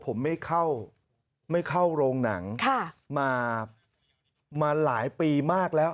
ผมไม่เข้าไม่เข้าโรงหนังมาหลายปีมากแล้ว